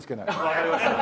わかりました。